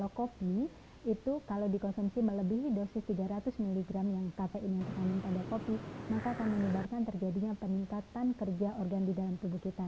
kalau kopi itu kalau dikonsumsi melebihi dosis tiga ratus mg yang kafein yang terkandung pada kopi maka akan menyebabkan terjadinya peningkatan kerja organ di dalam tubuh kita